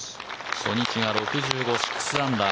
初日が６５、６アンダー。